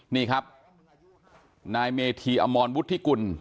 นี่ครับนายเมธีอมรวุฒิกุล